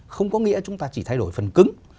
không có nghĩa chúng ta chỉ thay đổi phần cứng